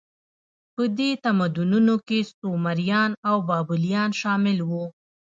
په دې تمدنونو کې سومریان او بابلیان شامل وو.